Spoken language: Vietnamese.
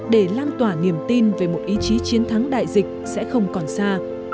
để lan tỏa niềm tin về một ý chí chiến thắng đại dịch sẽ không còn xa